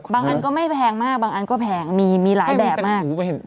อันก็ไม่แพงมากบางอันก็แพงมีหลายแบบมาก